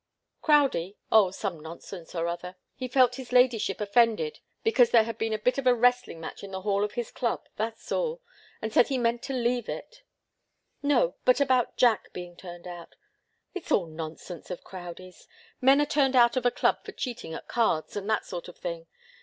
"Crowdie? Oh some nonsense or other! He felt his ladyship offended because there had been a bit of a wrestling match in the hall of his club, that's all, and said he meant to leave it " "No but about Jack being turned out " "It's all nonsense of Crowdie's. Men are turned out of a club for cheating at cards, and that sort of thing.